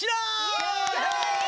イエーイ！